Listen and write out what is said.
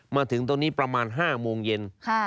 มาถึงตรงนี้ประมาณ๕โมงเย็น